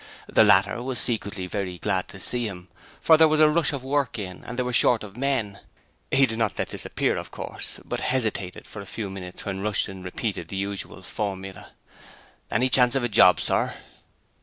The latter was secretly very glad to see him, for there was a rush of work in and they were short of men. He did not let this appear, of course, but hesitated for a few minutes when Newman repeated the usual formula: 'Any chance of a job, sir?'